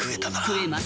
食えます。